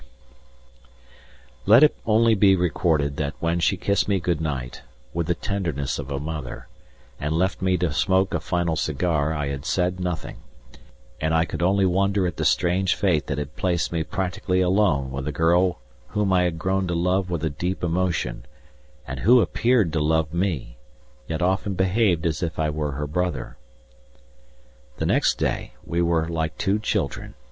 "] [Illustration: In the flash I caught a glimpse of his conning tower] Let it only be recorded that when she kissed me good night (with the tenderness of a mother) and left me to smoke a final cigar I had said nothing, and I could only wonder at the strange fate that had placed me practically alone with a girl whom I had grown to love with a deep emotion, and who appeared to love me, yet often behaved as if I was her brother. The next day we were like two children.